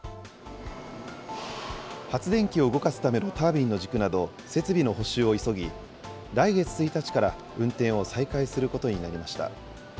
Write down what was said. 発電機を動かすためのタービンの軸など、設備の補修を急ぎ、来月１日から運転を再開することになりました。